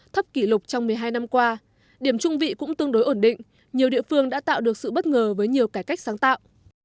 thấp kỷ lục trong một mươi hai năm qua điểm trung vị cũng tương đối ổn định nhiều địa phương đã tạo được sự bất ngờ với nhiều cải cách sáng tạo